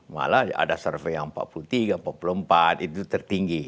malah ada survei yang empat puluh tiga empat puluh empat itu tertinggi